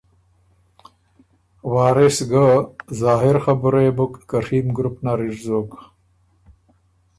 وارث ګۀ ظا هر خبُره يې بُک که ڒیم ګروپ نر اِر زوک۔